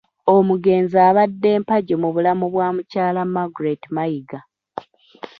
Omugenzi abadde mpagi mu bulamu bwa mukyala Margret Mayiga.